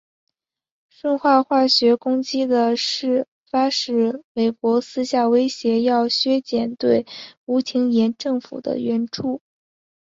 顺化化学攻击的事发使美国私下威胁要削减对吴廷琰政府的援助。